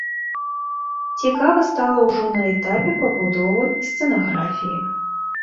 Цікава стала ўжо на этапе пабудовы сцэнаграфіі.